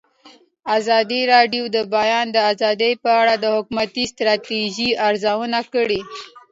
ازادي راډیو د د بیان آزادي په اړه د حکومتي ستراتیژۍ ارزونه کړې.